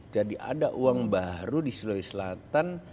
jadi ada uang baru di sulawesi selatan